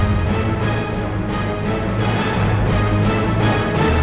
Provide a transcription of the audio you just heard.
aku ingin ide pemberontakan ini sempurna